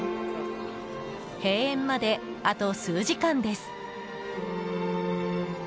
閉園まであと数時間です。